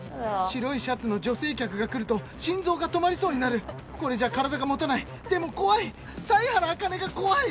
白いシャツの女性客が来ると心臓が止まりそうになるこれじゃあ体がもたないでも怖い犀原茜が怖い